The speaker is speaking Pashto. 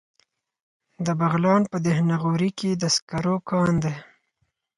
د بغلان په دهنه غوري کې د سکرو کان دی.